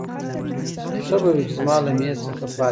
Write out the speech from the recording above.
ښه به وي چې زما له مېز څخه پاڅېږې.